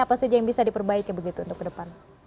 apa saja yang bisa diperbaiki begitu untuk ke depan